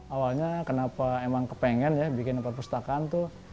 awalnya kenapa emang kepengen ya bikin perpustakaan tuh